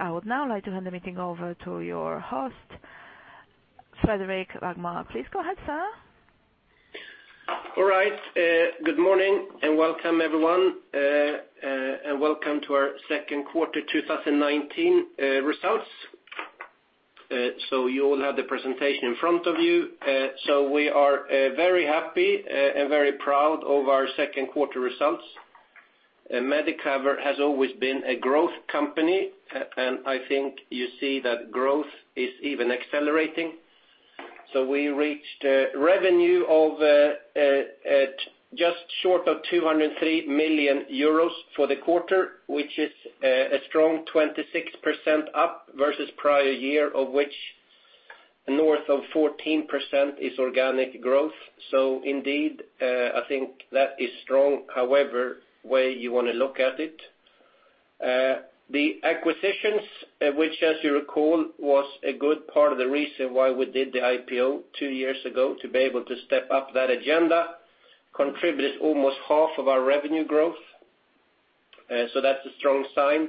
I would now like to hand the meeting over to your host, Fredrik Rågmark. Please go ahead, sir. All right. Good morning, and welcome, everyone. Welcome to our second quarter 2019 results. You all have the presentation in front of you. We are very happy and very proud of our second quarter results. Medicover has always been a growth company, and I think you see that growth is even accelerating. We reached revenue of just short of 203 million euros for the quarter, which is a strong 26% up versus prior year, of which north of 14% is organic growth. Indeed, I think that is strong however way you want to look at it. The acquisitions, which as you recall, was a good part of the reason why we did the IPO two years ago to be able to step up that agenda, contributed almost half of our revenue growth. That's a strong sign.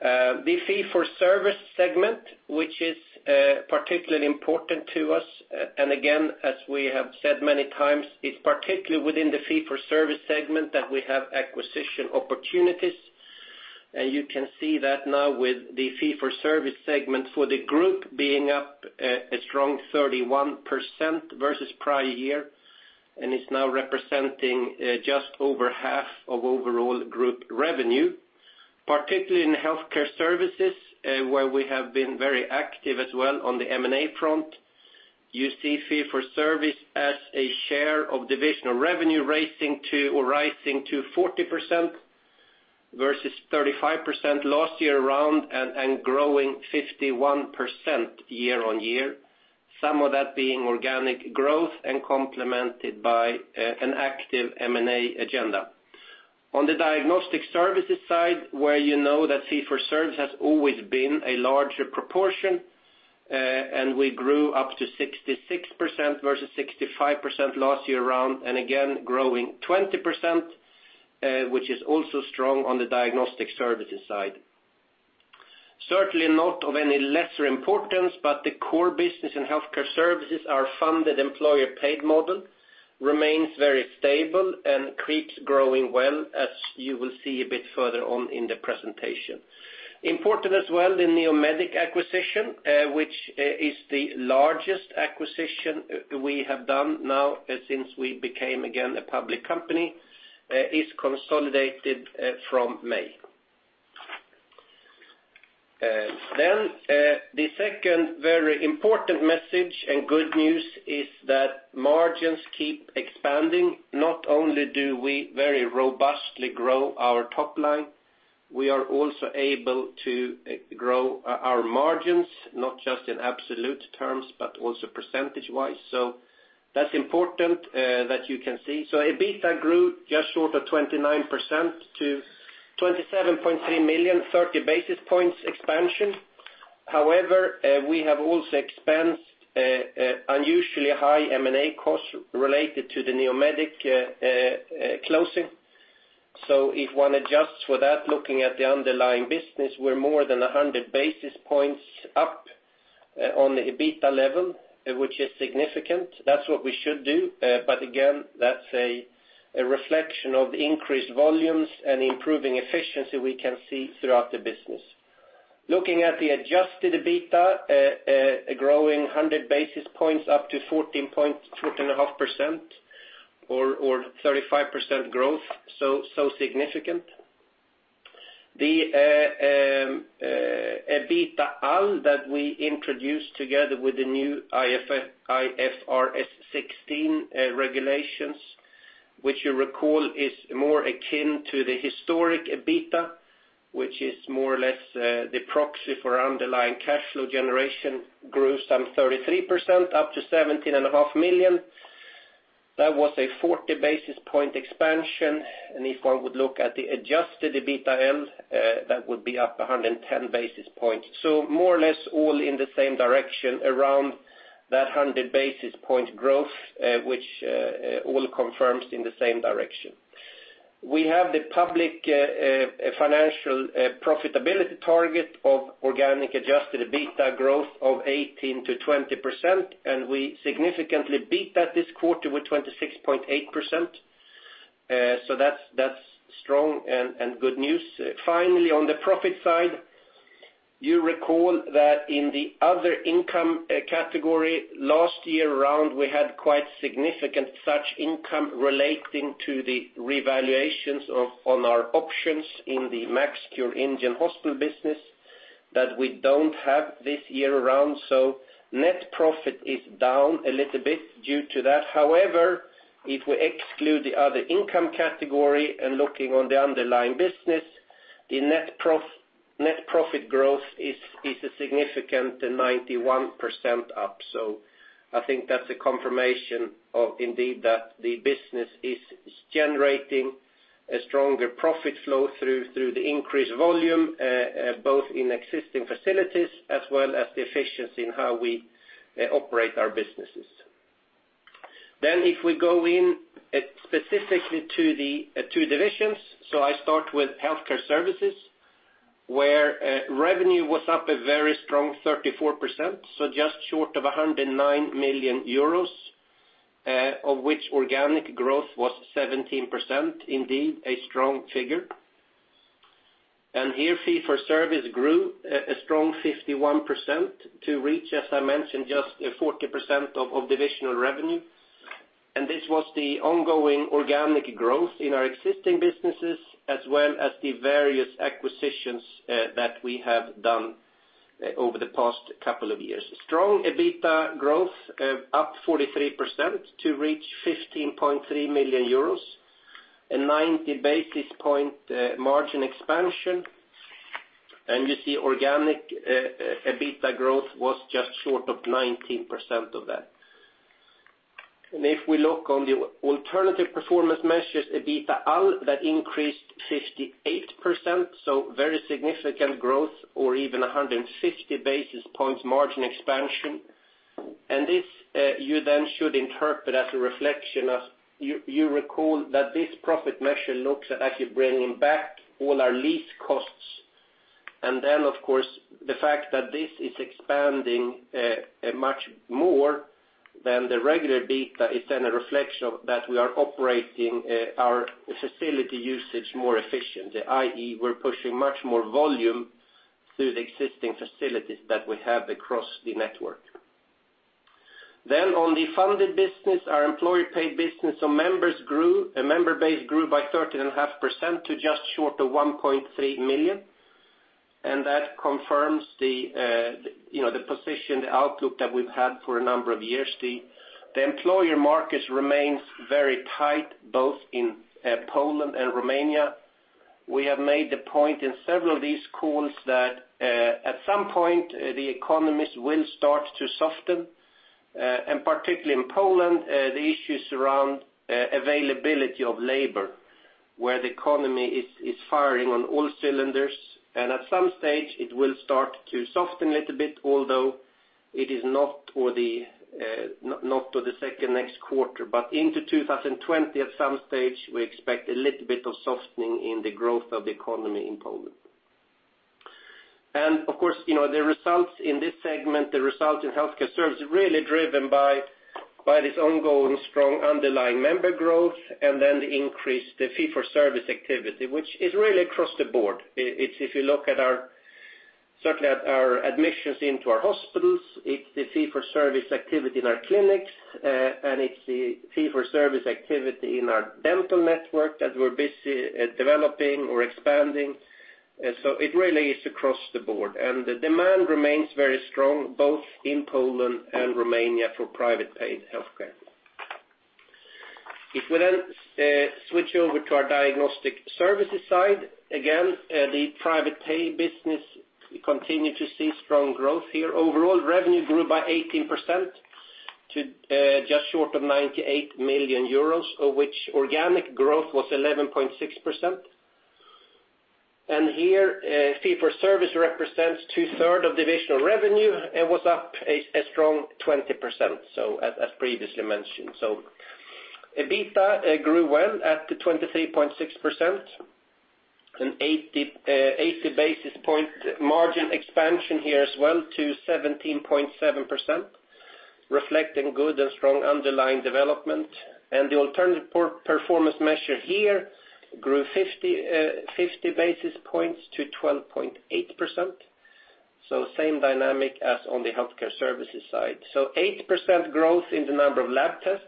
The fee-for-service segment, which is particularly important to us, and again, as we have said many times, it's particularly within the fee-for-service segment that we have acquisition opportunities. You can see that now with the fee-for-service segment for the group being up a strong 31% versus prior year, and is now representing just over half of overall group revenue, particularly in healthcare services, where we have been very active as well on the M&A front. You see fee-for-service as a share of divisional revenue rising to 40% versus 35% last year around, and growing 51% year-on-year. Some of that being organic growth and complemented by an active M&A agenda. On the diagnostic services side, where you know that fee-for-service has always been a larger proportion, and we grew up to 66% versus 65% last year around, and again, growing 20%, which is also strong on the diagnostic services side. Certainly not of any lesser importance, but the core business and healthcare services are funded employer paid model, remains very stable and keeps growing well, as you will see a bit further on in the presentation. Important as well, the Neomedic acquisition, which is the largest acquisition we have done now since we became, again, a public company, is consolidated from May. The second very important message and good news is that margins keep expanding. Not only do we very robustly grow our top line, we are also able to grow our margins, not just in absolute terms, but also percentage-wise. That's important that you can see. EBITDA grew just short of 29% to 27.3 million, 30 basis points expansion. However, we have also expensed unusually high M&A costs related to the Neomedic closing. If one adjusts for that, looking at the underlying business, we're more than 100 basis points up on the EBITDA level, which is significant. That's what we should do. Again, that's a reflection of increased volumes and improving efficiency we can see throughout the business. Looking at the adjusted EBITDA, growing 100 basis points up to 14.5%, or 35% growth, so significant. The EBITDAaL that we introduced together with the new IFRS 16 regulations, which you recall is more akin to the historic EBITDA, which is more or less the proxy for underlying cash flow generation, grew some 33%, up to 17.5 million. That was a 40 basis point expansion. If one would look at the adjusted EBITDAaL, that would be up 110 basis points. More or less all in the same direction around that 100 basis point growth, which all confirms in the same direction. We have the public financial profitability target of organic adjusted EBITDA growth of 18%-20%, and we significantly beat that this quarter with 26.8%. That's strong and good news. Finally, on the profit side, you recall that in the other income category, last year around, we had quite significant such income relating to the revaluations on our options in the MaxCure Indian hospital business that we don't have this year around. Net profit is down a little bit due to that. However, if we exclude the other income category and looking on the underlying business, the net profit growth is a significant 91% up. I think that's a confirmation of indeed that the business is generating a stronger profit flow through the increased volume, both in existing facilities as well as the efficiency in how we operate our businesses. Then if we go in specifically to the two divisions. I start with Healthcare Services, where revenue was up a very strong 34%, just short of 109 million euros, of which organic growth was 17%. Indeed, a strong figure. Here, fee-for-service grew a strong 51% to reach, as I mentioned, just 40% of divisional revenue. This was the ongoing organic growth in our existing businesses, as well as the various acquisitions that we have done over the past couple of years. Strong EBITDA growth, up 43% to reach 15.3 million euros, a 90-basis point margin expansion. You see organic EBITDA growth was just short of 19% of that. If we look on the alternative performance measures, EBITDAaL, that increased 58%, very significant growth or even 150 basis points margin expansion. This you then should interpret as a reflection of, you recall that this profit measure looks at actually bringing back all our lease costs. Of course, the fact that this is expanding much more than the regular EBITDA is then a reflection that we are operating our facility usage more efficiently, i.e., we're pushing much more volume through the existing facilities that we have across the network. On the funded business, our employee paid business, our member base grew by 13.5% to just short of 1.3 million. That confirms the positioned outlook that we've had for a number of years. The employer markets remains very tight, both in Poland and Romania. We have made the point in several of these calls that at some point, the economies will start to soften, and particularly in Poland, the issues around availability of labor, where the economy is firing on all cylinders. At some stage, it will start to soften a little bit, although it is not for the second next quarter, but into 2020, at some stage, we expect a little bit of softening in the growth of the economy in Poland. Of course, the results in this segment, the result in Healthcare Services is really driven by this ongoing strong underlying member growth and then the increased fee-for-service activity, which is really across the board. If you look certainly at our admissions into our hospitals, it's the fee-for-service activity in our clinics, and it's the fee-for-service activity in our dental network that we're busy at developing or expanding. It really is across the board, and the demand remains very strong, both in Poland and Romania for private paid healthcare. If we switch over to our diagnostic services side, again, the private pay business, we continue to see strong growth here. Overall, revenue grew by 18% to just short of 98 million euros, of which organic growth was 11.6%. Here, fee-for-service represents two-third of divisional revenue and was up a strong 20%, as previously mentioned. EBITDA grew well at 23.6%, an 80-basis point margin expansion here as well to 17.7%, reflecting good and strong underlying development. The alternative performance measure here grew 50 basis points to 12.8%, so same dynamic as on the Healthcare Services side. 8% growth in the number of lab tests,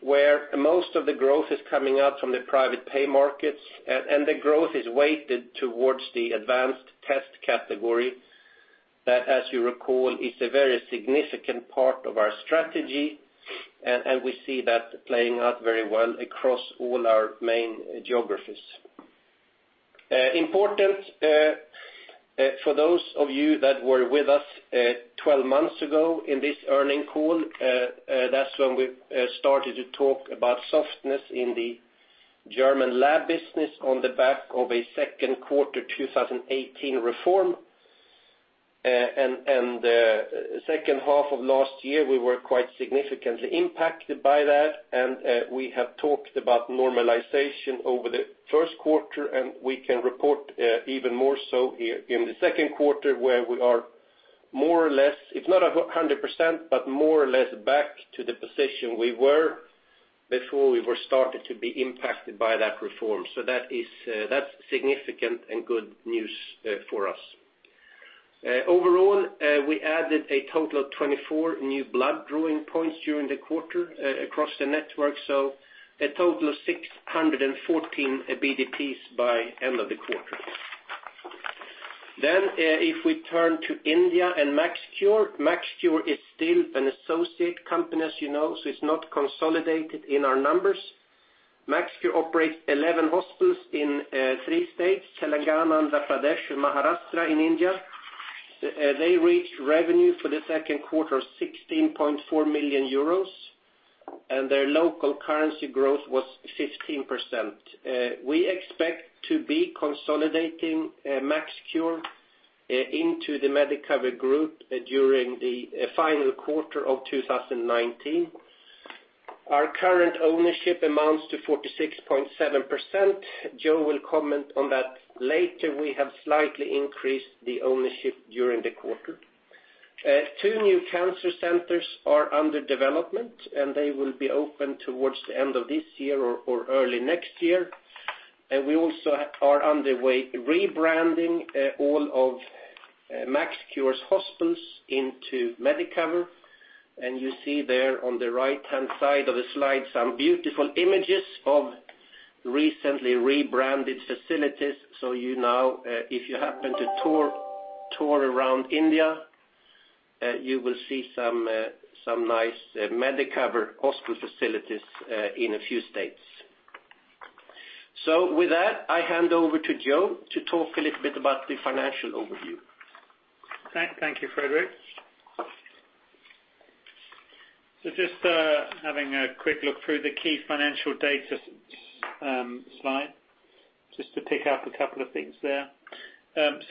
where most of the growth is coming out from the private pay markets, and the growth is weighted towards the advanced test category. That, as you recall, is a very significant part of our strategy, and we see that playing out very well across all our main geographies. Important for those of you that were with us 12 months ago in this earning call, that's when we started to talk about softness in the German lab business on the back of a second quarter 2018 reform. The second half of last year, we were quite significantly impacted by that, and we have talked about normalization over the first quarter, and we can report even more so here in the second quarter, where we are more or less, if not 100%, but more or less back to the position we were before we were started to be impacted by that reform. That's significant and good news for us. Overall, we added a total of 24 new blood drawing points during the quarter across the network, so a total of 614 BDPs by end of the quarter. If we turn to India and MaxCure. MaxCure is still an associate company, as you know, so it's not consolidated in our numbers. MaxCure operates 11 hospitals in three states, Telangana, Andhra Pradesh, and Maharashtra in India. They reached revenue for the second quarter of 16.4 million euros. Their local currency growth was 15%. We expect to be consolidating MaxCure into the Medicover group during the final quarter of 2019. Our current ownership amounts to 46.7%. Joe will comment on that later. We have slightly increased the ownership during the quarter. Two new cancer centers are under development. They will be open towards the end of this year or early next year. We also are underway rebranding all of MaxCure's hospitals into Medicover. You see there on the right-hand side of the slide some beautiful images of recently rebranded facilities. If you happen to tour around India, you will see some nice Medicover hospital facilities in a few states. With that, I hand over to Joe to talk a little bit about the financial overview. Thank you, Fredrik. Just having a quick look through the key financial data slide, just to pick out a couple of things there.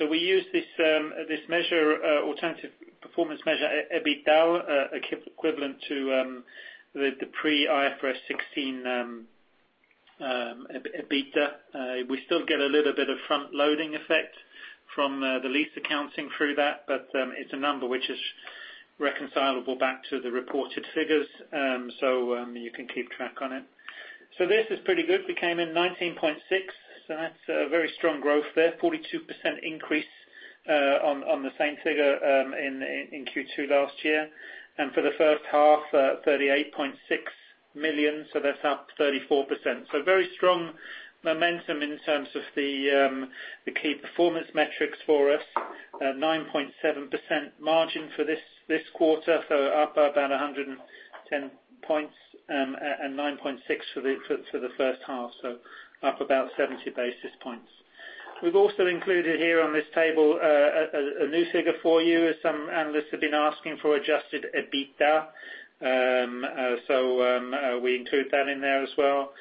We use this alternative performance measure, EBITDA, equivalent to the pre IFRS 16 EBITDA. We still get a little bit of front-loading effect from the lease accounting through that, but it's a number which is reconcilable back to the reported figures. You can keep track on it. This is pretty good. We came in 19.6 million, so that's a very strong growth there, 42% increase on the same figure in Q2 last year. For the first half, 38.6 million, so that's up 34%. Very strong momentum in terms of the key performance metrics for us. 9.7% margin for this quarter, so up about 110 points, and 9.6% for the first half, so up about 70 basis points. We've also included here on this table a new figure for you, as some analysts have been asking for adjusted EBITDA. We include that in there as well.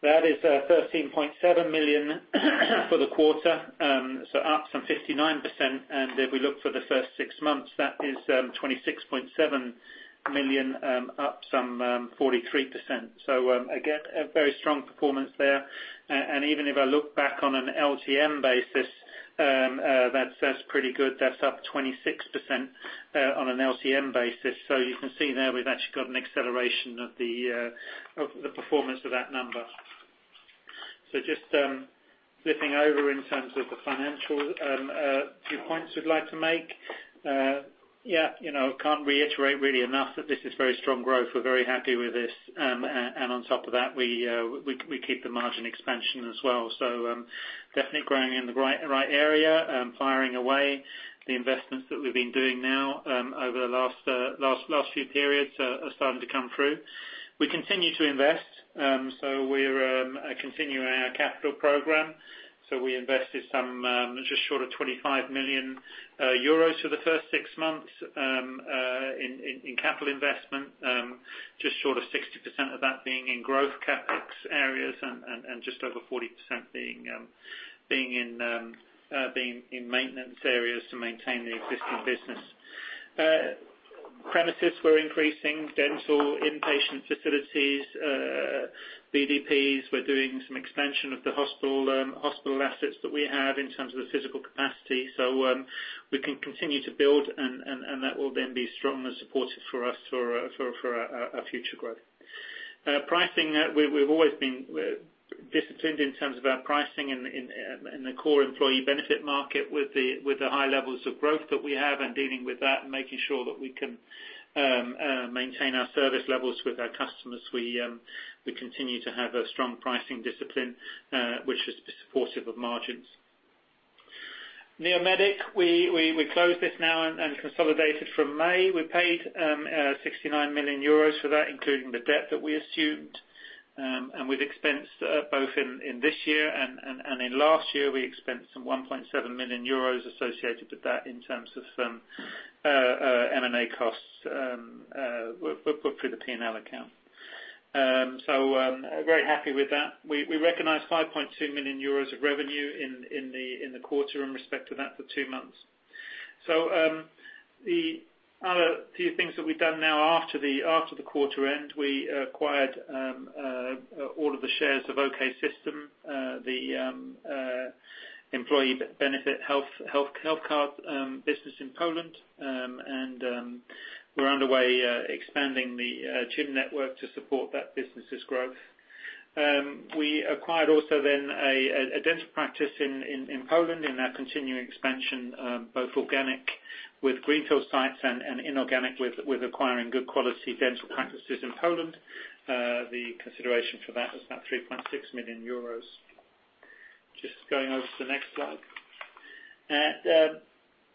That is 13.7 million for the quarter, so up some 59%, and if we look for the first six months, that is 26.7 million, up some 43%. Again, a very strong performance there. Even if I look back on an LTM basis, that's pretty good. That's up 26% on an LTM basis. You can see there we've actually got an acceleration of the performance of that number. Just flipping over in terms of the financial few points we'd like to make. I can't reiterate really enough that this is very strong growth. We're very happy with this. On top of that, we keep the margin expansion as well. Definitely growing in the right area, firing away the investments that we've been doing now over the last few periods are starting to come through. We continue to invest. We're continuing our capital program. We invested just short of 25 million euros for the first six months in capital investment, just short of 60% of that being in growth CapEx areas and just over 40% being in maintenance areas to maintain the existing business. Premises, we're increasing dental inpatient facilities, BDPs. We're doing some expansion of the hospital assets that we have in terms of the physical capacity. We can continue to build, and that will then be strongly supportive for us for our future growth. Pricing, we've always been disciplined in terms of our pricing in the core employee benefit market with the high levels of growth that we have and dealing with that and making sure that we can maintain our service levels with our customers. We continue to have a strong pricing discipline, which is supportive of margins. Neomedic, we closed this now and consolidated from May. We paid 69 million euros for that, including the debt that we assumed. We've expensed both in this year and in last year, we expensed some 1.7 million euros associated with that in terms of some M&A costs, but through the P&L account. Very happy with that. We recognized 5.2 million euros of revenue in the quarter in respect to that for two months. The other few things that we've done now after the quarter end, we acquired all of the shares of OK System, the employee benefit health card business in Poland. We're underway expanding the gym network to support that business's growth. We acquired also then a dental practice in Poland in our continuing expansion, both organic with greenfield sites and inorganic with acquiring good quality dental practices in Poland. The consideration for that was about 3.6 million euros. Just going over to the next slide.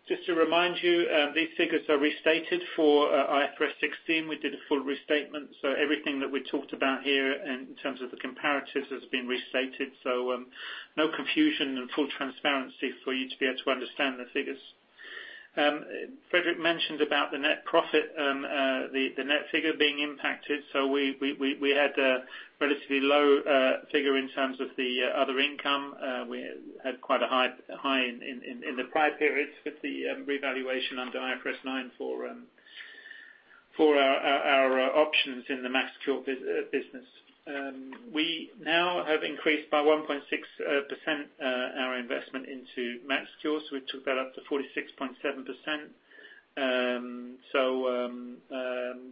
Just to remind you, these figures are restated for IFRS 16. We did a full restatement, so everything that we talked about here in terms of the comparatives has been restated, so no confusion and full transparency for you to be able to understand the figures. Fredrik mentioned about the net profit, the net figure being impacted. We had a relatively low figure in terms of the other income. We had quite a high in the prior periods with the revaluation under IFRS 9 for our options in the MaxCure business. We now have increased by 1.6% our investment into MaxCure, so we took that up to 46.7%.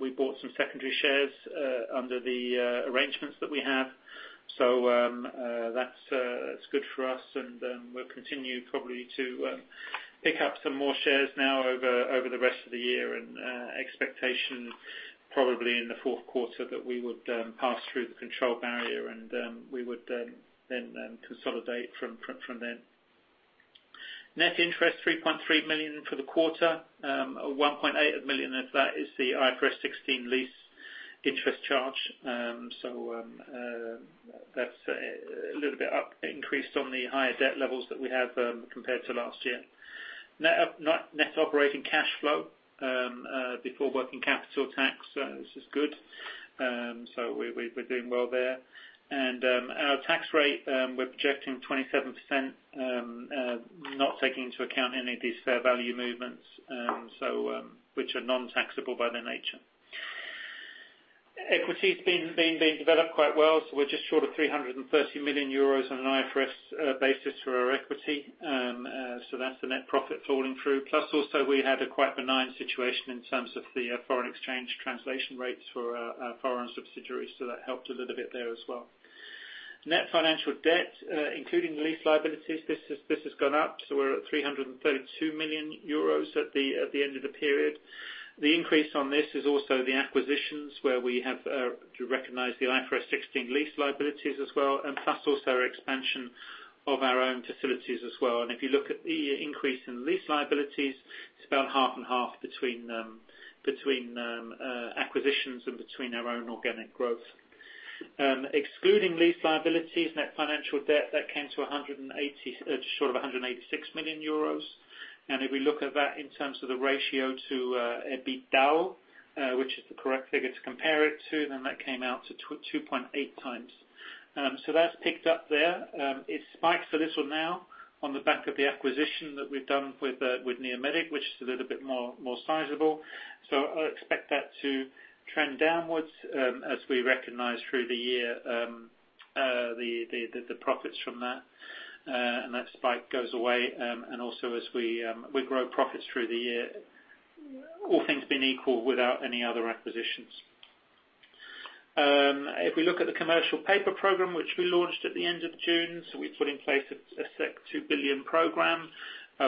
We bought some secondary shares under the arrangements that we have. That's good for us and we'll continue probably to pick up some more shares now over the rest of the year and expectation probably in the fourth quarter that we would pass through the control barrier and we would then consolidate from then. Net interest 3.3 million for the quarter. 1.8 million of that is the IFRS 16 lease interest charge. That's a little bit increased on the higher debt levels that we have compared to last year. Net operating cash flow before working capital tax, this is good. We're doing well there. Our tax rate, we're projecting 27%, not taking into account any of these fair value movements, which are non-taxable by their nature. Equity has been developed quite well. We're just short of 330 million euros on an IFRS basis for our equity. That's the net profit falling through. Plus also we had a quite benign situation in terms of the foreign exchange translation rates for our foreign subsidiaries. That helped a little bit there as well. Net financial debt, including the lease liabilities, this has gone up. We're at 332 million euros at the end of the period. The increase on this is also the acquisitions where we have recognized the IFRS 16 lease liabilities as well, and plus also our expansion of our own facilities as well. If you look at the increase in lease liabilities, it's about half and half between acquisitions and between our own organic growth. Excluding lease liabilities, net financial debt, that came to short of 186 million euros. If we look at that in terms of the ratio to EBITDAaL, which is the correct figure to compare it to, that came out to 2.8x. That's picked up there. It spiked a little now on the back of the acquisition that we've done with Neomedic, which is a little bit more sizable. I expect that to trend downwards as we recognize through the year the profits from that, and that spike goes away. Also as we grow profits through the year, all things being equal without any other acquisitions. If we look at the commercial paper program, which we launched at the end of June, we put in place a 2 billion program.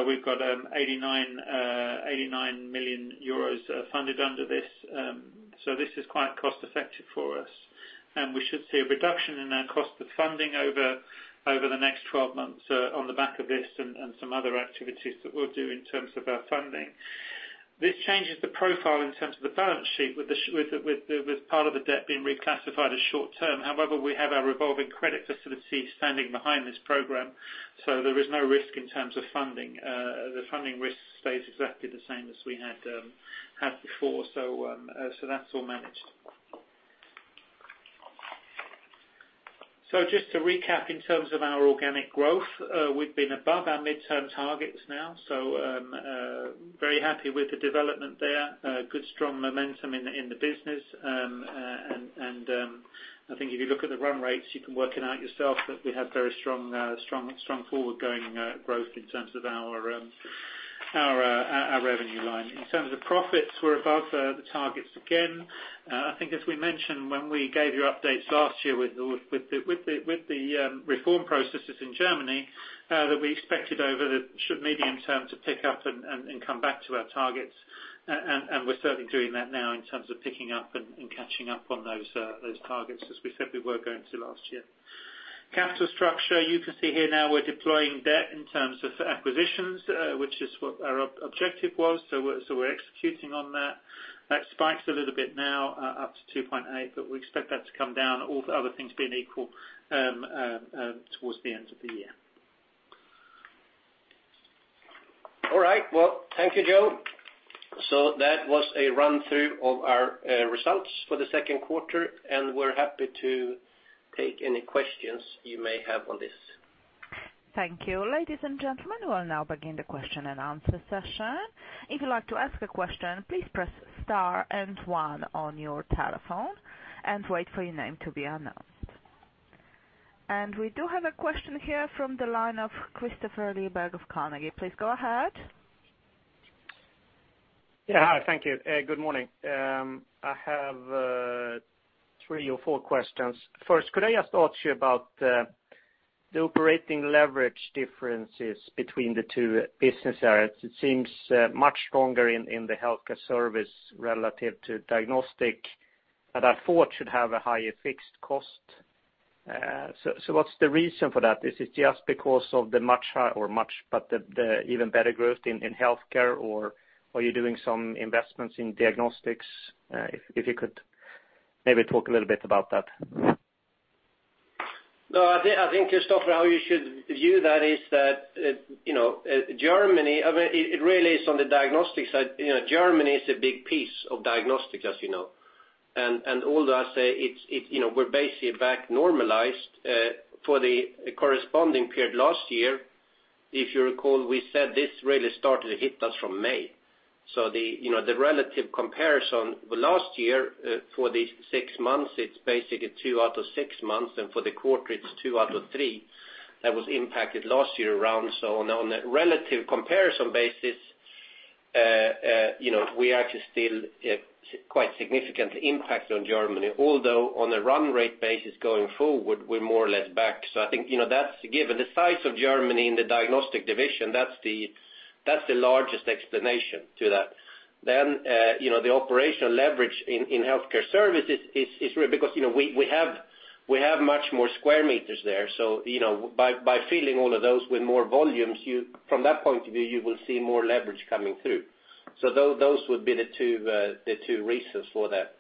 We've got 89 million euros funded under this. This is quite cost effective for us. We should see a reduction in our cost of funding over the next 12 months on the back of this and some other activities that we'll do in terms of our funding. This changes the profile in terms of the balance sheet with part of the debt being reclassified as short-term. However, we have our revolving credit facilities standing behind this program. There is no risk in terms of funding. The funding risk stays exactly the same as we had before. That's all managed. Just to recap in terms of our organic growth, we've been above our midterm targets now. Very happy with the development there. Good strong momentum in the business. I think if you look at the run rates, you can work it out yourself that we have very strong forward going growth in terms of our revenue line. In terms of profits, we're above the targets again. I think as we mentioned when we gave you updates last year with the reform processes in Germany, that we expected over the medium term to pick up and come back to our targets. We're certainly doing that now in terms of picking up and catching up on those targets as we said we were going to last year. Capital structure, you can see here now we're deploying debt in terms of acquisitions, which is what our objective was. We're executing on that. That spikes a little bit now up to 2.8x, we expect that to come down all other things being equal toward the end of the year. All right. Well, thank you, Joe. That was a run through of our results for the second quarter, and we're happy to take any questions you may have on this. Thank you. Ladies and gentlemen, we'll now begin the question and answer session. If you'd like to ask a question, please press star and one on your telephone and wait for your name to be announced. We do have a question here from the line of Kristofer Liljeberg of Carnegie. Please go ahead. Yeah. Hi. Thank you. Good morning. I have three or four questions. First, could I ask you about the operating leverage differences between the two business areas? It seems much stronger in the healthcare services relative to diagnostic services that I thought should have a higher fixed cost. What's the reason for that? Is it just because of the even better growth in healthcare services, or are you doing some investments in diagnostic services? If you could maybe talk a little bit about that. No, I think, Kristofer, how you should view that is that Germany, it really is on the diagnostic side. Germany is a big piece of diagnostic, as you know, although I say we're basically back normalized for the corresponding period last year, if you recall, we said this really started to hit us from May. The relative comparison last year for these six months, it's basically two out of six months, and for the quarter it's two out of three that was impacted last year around. On a relative comparison basis, we are actually still quite significantly impacted on Germany. On a run rate basis going forward, we're more or less back. I think, that's given the size of Germany in the diagnostic division, that's the largest explanation to that. The operational leverage in healthcare services is real because we have much more square meters there. By filling all of those with more volumes, from that point of view, you will see more leverage coming through. Those would be the two reasons for that.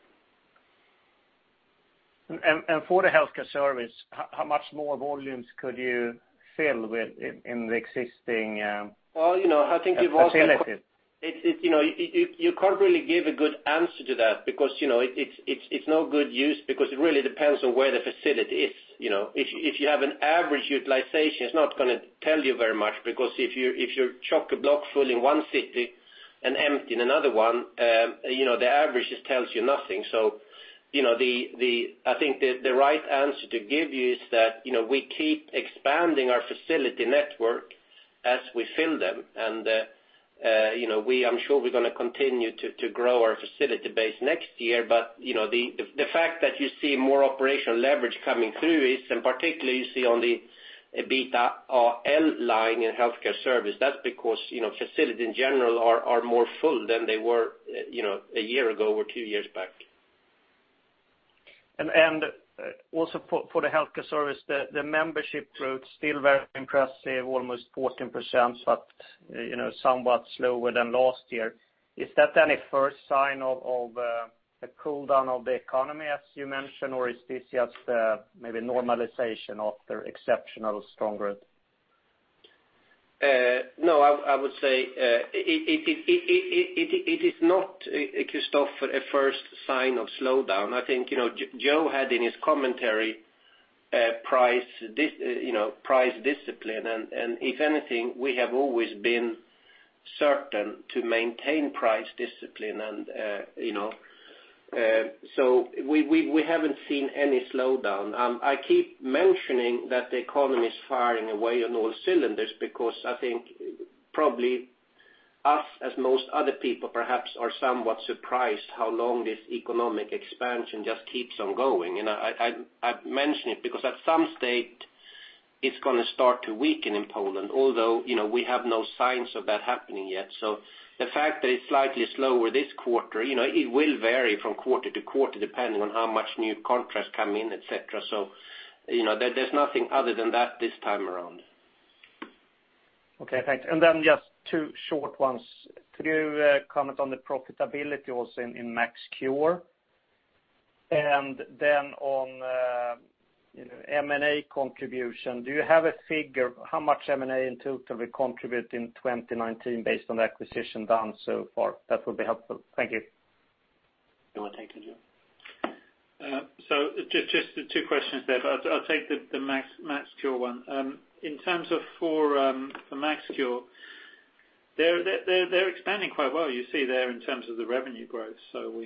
For the Healthcare Service, how much more volumes could you fill with in the existing? Well, I think you've also- -facilities? You can't really give a good answer to that because it's no good use because it really depends on where the facility is. If you have an average utilization, it's not going to tell you very much, because if you're chock-a-block full in one city and empty in another one, the average just tells you nothing. I think the right answer to give you is that we keep expanding our facility network as we fill them, and I'm sure we're going to continue to grow our facility base next year. The fact that you see more operational leverage coming through is, and particularly you see on the EBITDAaL line in healthcare services, that's because facilities in general are more full than they were a year ago or two years back. Also for the Healthcare Service, the membership growth, still very impressive, almost 14%, but somewhat slower than last year. Is that any first sign of a cool down of the economy as you mentioned, or is this just maybe normalization after exceptional strong growth? No, I would say it is not, Kristofer, a first sign of slowdown. I think Joe had in his commentary price discipline, and if anything, we have always been certain to maintain price discipline. We haven't seen any slowdown. I keep mentioning that the economy is firing away on all cylinders because I think probably us, as most other people perhaps, are somewhat surprised how long this economic expansion just keeps on going. I mention it because at some state, it's going to start to weaken in Poland, although we have no signs of that happening yet. The fact that it's slightly slower this quarter, it will vary from quarter to quarter depending on how much new contracts come in, et cetera. There's nothing other than that this time around. Okay, thanks. Then just 2 short ones. Could you comment on the profitability also in MaxCure? Then on M&A contribution, do you have a figure how much M&A in total will contribute in 2019 based on the acquisition done so far? That would be helpful. Thank you. You want to take it, Joe? Just the two questions there. I'll take the MaxCure one. In terms of for MaxCure, they're expanding quite well in terms of the revenue growth. We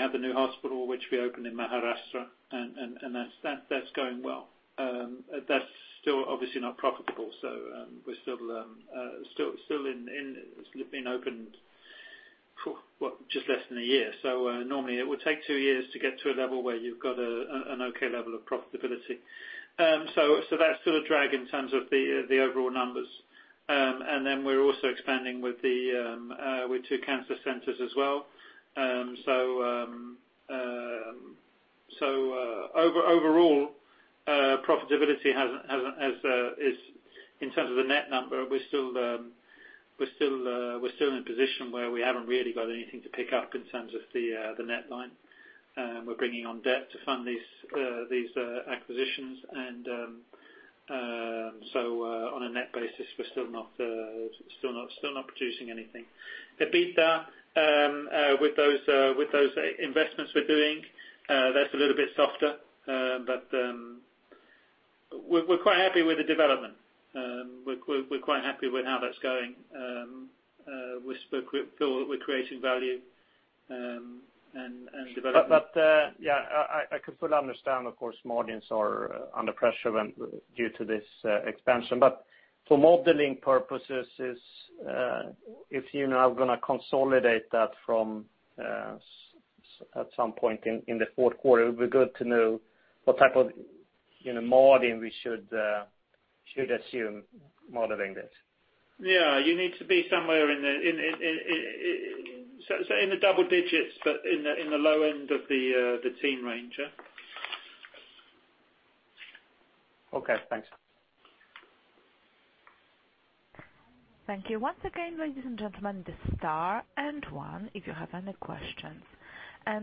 have the new hospital, which we opened in Maharashtra, and that's going well. That's still obviously not profitable. We're still in open, just less than a year. Normally it would take two years to get to a level where you've got an okay level of profitability. That's still a drag in terms of the overall numbers. We're also expanding with two cancer centers as well. Overall, profitability in terms of the net number, we're still in a position where we haven't really got anything to pick up in terms of the net line. We're bringing on debt to fund these acquisitions. On a net basis, we're still not producing anything. EBITDA, with those investments we're doing, that's a little bit softer. We're quite happy with the development. We're quite happy with how that's going. We feel that we're creating value and development. Yeah, I can fully understand, of course, margins are under pressure due to this expansion. For modeling purposes, if you are going to consolidate that at some point in the fourth quarter, it would be good to know what type of margin we should assume modeling this. Yeah, you need to be somewhere in the double digits, but in the low end of the teen range, yeah. Okay, thanks. Thank you. Once again, ladies and gentlemen, star 1 if you have any questions.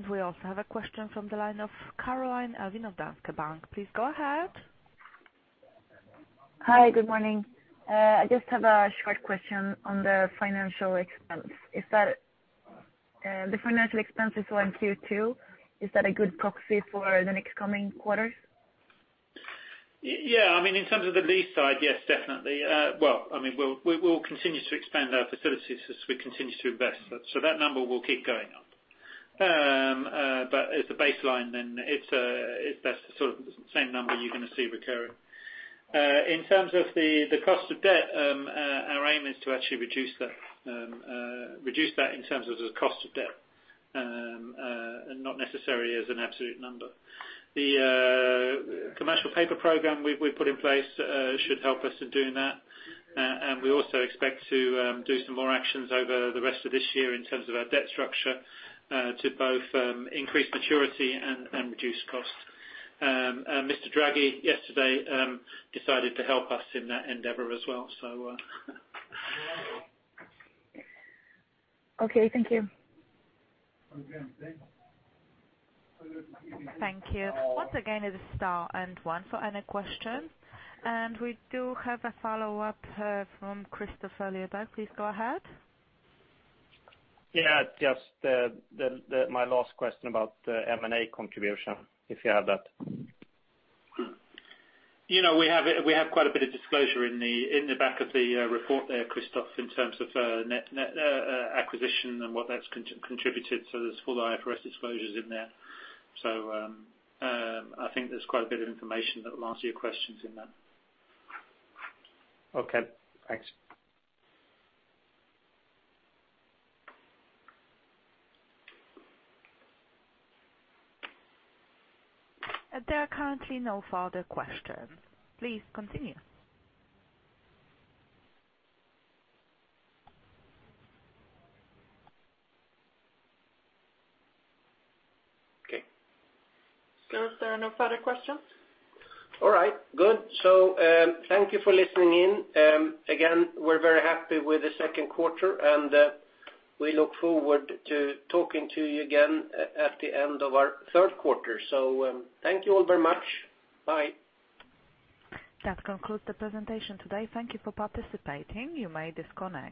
We also have a question from the line of Caroline Elvind of Danske Bank. Please go ahead. Hi, good morning. I just have a short question on the financial expense. The financial expenses on Q2, is that a good proxy for the next coming quarters? In terms of the lease side, yes, definitely. We'll continue to expand our facilities as we continue to invest, so that number will keep going up. As a baseline, that's the sort of same number you're going to see recurring. In terms of the cost of debt, our aim is to actually reduce that in terms of the cost of debt, and not necessarily as an absolute number. The commercial paper program we've put in place should help us in doing that. We also expect to do some more actions over the rest of this year in terms of our debt structure, to both increase maturity and reduce costs. Mr. Draghi yesterday decided to help us in that endeavor as well. Okay, thank you. Thank you. Once again, it is star and one for any questions. We do have a follow-up from Kristofer Liljeberg. Please go ahead. Yeah. Just my last question about the M&A contribution, if you have that. We have quite a bit of disclosure in the back of the report there, Kristofer, in terms of net acquisition and what that's contributed. There's full IFRS disclosures in there. I think there's quite a bit of information that will answer your questions in that. Okay, thanks. There are currently no further questions. Please continue. Okay. Is there no further questions? All right, good. Thank you for listening in. Again, we're very happy with the second quarter and we look forward to talking to you again at the end of our third quarter. Thank you all very much. Bye. That concludes the presentation today. Thank you for participating. You may disconnect.